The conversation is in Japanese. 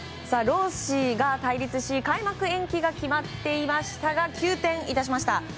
労使が対立し開幕延期が決まっていましたが急転しました。